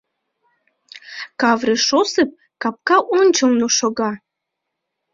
— Кавриш Осып капка ончылно шога.